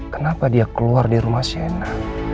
kenapa dia keluar dari rumah sienna